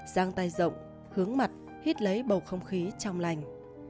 giang tay rộng hướng mặt hít lấy bầu không khí trong lành